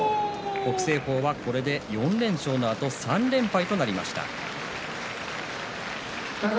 北青鵬は、これで４連勝のあと３連敗となりました。